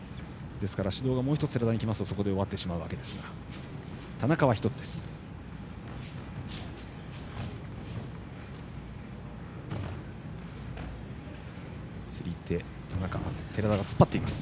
ですから、指導がもう１つ寺田にいきますとそこで終わってしまうわけですが田中は１つです。